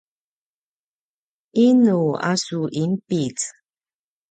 inu a su inpic?